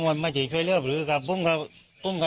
พวกมันไม่ถึงเคยเลือกพวกมันก็ทำไม่รู้ครับ